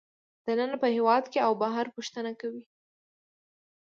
دننه په هېواد کې او بهر پوښتنه کوي